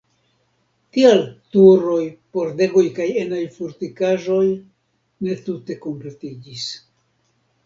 Tial turoj, pordegoj kaj enaj fortikaĵoj ne tute kompletiĝis.